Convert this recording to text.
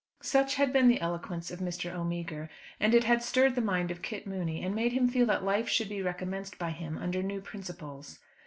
Such had been the eloquence of Mr. O'Meagher; and it had stirred the mind of Kit Mooney and made him feel that life should be recommenced by him under new principles.